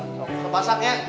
sampai pasak ya